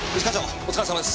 お疲れさまです。